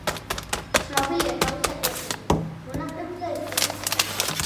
ცნობილია თავისი ეკლესია-მონასტრებით და ისტორიული შენობებით.